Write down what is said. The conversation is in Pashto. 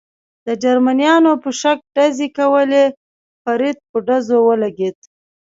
د جرمنیانو په شک ډزې کولې، فرید په ډزو ولګېد.